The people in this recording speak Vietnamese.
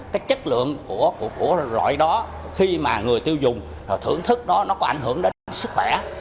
cái chất lượng của loại đó khi mà người tiêu dùng thưởng thức đó nó có ảnh hưởng đến sức khỏe